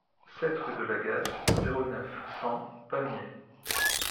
sept rue de l'Agasse, zéro neuf, cent, Pamiers